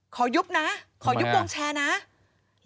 ขอยุบนะขอยุบวงแชร์นะทำไมล่ะ